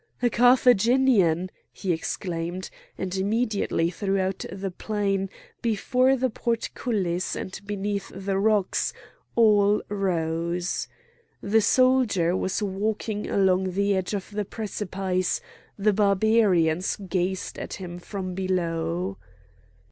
"A Carthaginian!" he exclaimed, and immediately throughout the plain, before the portcullis and beneath the rocks, all rose. The soldier was walking along the edge of the precipice; the Barbarians gazed at him from below.